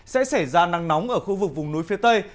sẽ xảy ra nắng nóng ở khu vực vùng núi phía tây